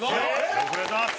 よろしくお願いします！